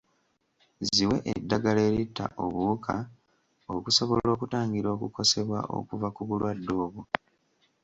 Ziwe eddagala eritta obuwuka okusobola okutangira okukosebwa okuva ku bulwadde obwo.